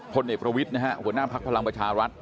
พลเนฟระวิทหัวหน้าพักพลังประชารัฐ